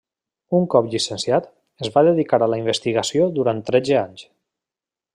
Un cop llicenciat, es va dedicar a la investigació durant tretze anys.